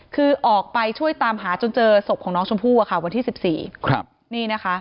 คือออกไปช่วยตามหาจนเจอสบของน้องชมผู้วันที่๑๔